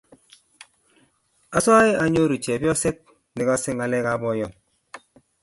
Asae anyoru chepnyoset negase ngalek kab boyonyi